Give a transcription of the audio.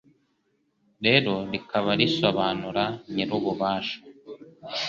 rero rikaba risobanura Nyirububasha